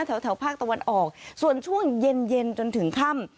แถวภาคตะวันออกส่วนช่วงเย็นเย็นจนถึงค่ำ